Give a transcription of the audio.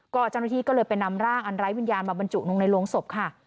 เจ้าหน้าที่ก็เลยไปนำร่างอันไร้วิญญาณมาบรรจุลงในโรงศพค่ะ